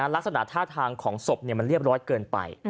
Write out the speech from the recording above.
ลักษณะท่าทางของศพมันเรียบร้อยเกินไป